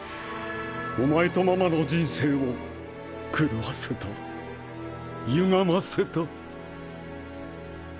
お前とママの人生を狂わせた歪ませた。